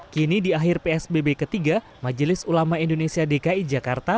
kini di akhir psbb ketiga majelis ulama indonesia dki jakarta